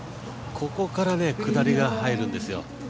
ここから下りが入るんですよ。